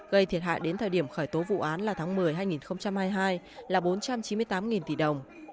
gây thiệt hại đến thời điểm khởi tố vụ án là tháng một mươi hai nghìn hai mươi hai là bốn trăm chín mươi tám tỷ đồng